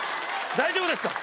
大丈夫ですか！？